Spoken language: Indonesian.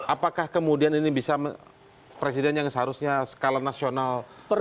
apakah kemudian ini bisa presiden yang seharusnya skala nasional